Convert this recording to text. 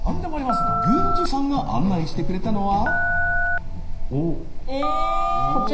郡司さんが案内してくれたのは。